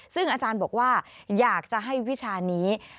ซึ่งอาจารย์บอกว่าอยากจะให้วิชานี้